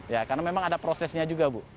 ya karena memang ada prosesnya juga bu